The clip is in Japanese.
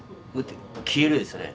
消えるですね。